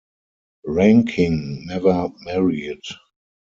Rankin never married.